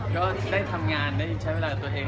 ก็ได้ทำงานได้ใช้เวลากับตัวเอง